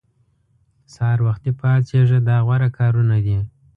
سهار وختي پاڅېږه دا غوره کارونه دي.